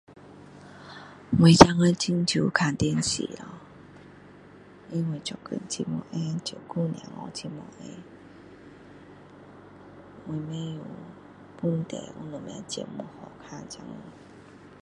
我现今很少看电视了因为做工很没空照顾小孩很没空我不知问题有什么节目好看现今